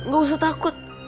gak usah takut